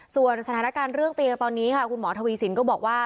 ส่วนสถานการณ์เรื่องเตียงตอนนี้ค่ะคุณหมอทวีสินก็บอกว่า